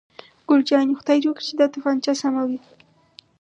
ګل جانې: خدای دې وکړي چې دا تومانچه سمه وي.